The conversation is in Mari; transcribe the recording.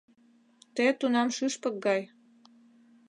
Те тунам шӱшпык гай